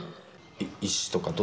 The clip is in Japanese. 石とか？